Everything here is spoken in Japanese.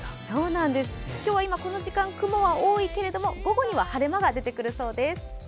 今日は今この時間雲は多いけれども、午後には晴れ間が出てくるそうです。